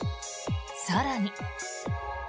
更に。